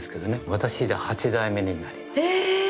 私で８代目になります。